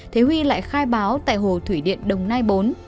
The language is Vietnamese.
thế huy lại khai báo tại hồ thủy điện đồng nai bốn